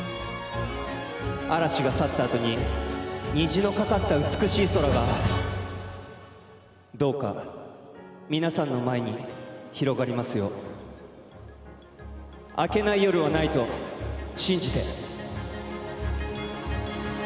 嵐が去ったあとに虹のかかった美しい空がどうか皆さんの前に広がりますよう明けない夜はないと信じて。